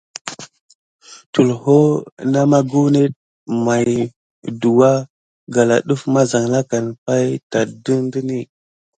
Tulho na maku net maye dukua kala def mazalakane pay tät de.